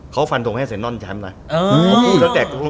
เขาฟันธงให้เซฟนอนชะมโหล่ะ